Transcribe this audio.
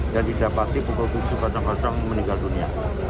dan didapati pukul tujuh kacang kacang meninggal dunia